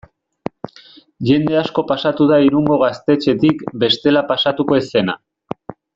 Jende asko pasatu da Irungo gaztetxetik bestela pasatuko ez zena.